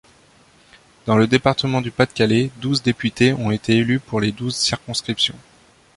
Dans le département du Pas-de-Calais, douze députés ont été élus pour les douze circonscriptions.